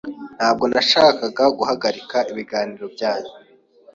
Ntabwo nashakaga guhagarika ibiganiro byanyu.